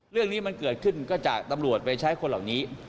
เรื่องนี้มันเกิดขึ้นก็จากตำรวจไปใช้คนเหล่านี้